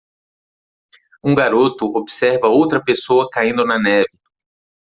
Um garoto observa outra pessoa caindo na neve.